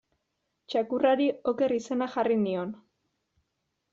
Txakurrari Oker izena jarri nion.